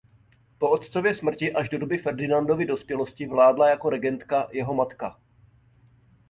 Po otcově smrti až doby Ferdinandovy dospělosti vládla jako regentka jeho matka.